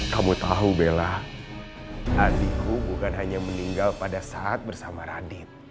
kamu tau bella andi ku bukan hanya meninggal pada saat bersama radit